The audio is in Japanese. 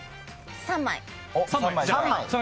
３枚。